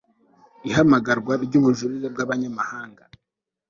Ihamagarwa ryubujurire bwabanyamahanga